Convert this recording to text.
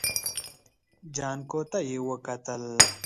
جانکو ته يې وکتل.